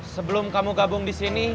sebelum kamu gabung di sini